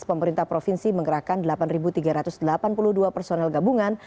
pemerintah provinsi menggerakkan delapan tiga ratus delapan puluh dua personel gabungan